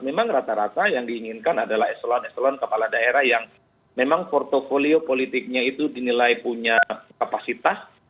memang rata rata yang diinginkan adalah eselon eselon kepala daerah yang memang portfolio politiknya itu dinilai punya kapasitas